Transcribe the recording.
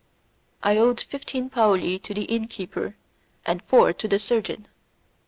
I owed fifteen paoli to the inn keeper and four to the surgeon.